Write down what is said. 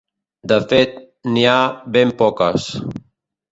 De fet, n’hi ha ben poques.